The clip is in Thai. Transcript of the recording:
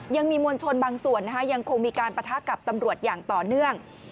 ยังมีมวลชนบางส่วนยังคงมีการปะทะกับตำรวจอย่างต่อเนื่อง